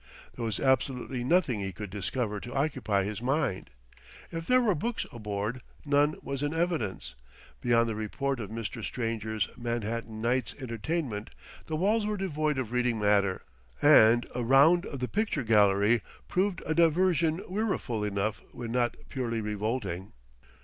There was absolutely nothing he could discover to occupy his mind. If there were books aboard, none was in evidence; beyond the report of Mr. Stranger's Manhattan night's entertainment the walls were devoid of reading matter; and a round of the picture gallery proved a diversion weariful enough when not purely revolting.